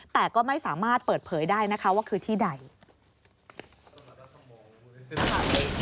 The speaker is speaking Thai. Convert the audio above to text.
แต่ก็ไม่สามารถเปิดเผยได้นะคะว่าคือที่ใด